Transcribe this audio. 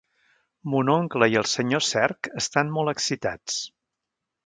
Mon oncle i el senyor Cerc estan molt excitats.